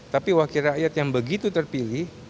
tapi wakil rakyat yang begitu terpilih